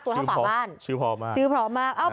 ตัวท่าป่าวบ้าน